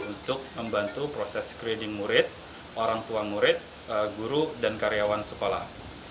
untuk membantu proses screening murid orang tua murid guru dan karyawan sekolah